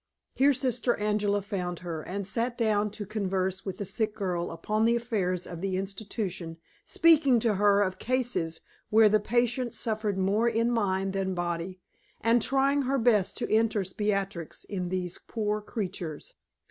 Here Sister Angela found her, and sat down to converse with the sick girl upon the affairs of the institution, speaking to her of cases where the patients suffered more in mind than body, and trying her best to interest Beatrix in these poor creatures.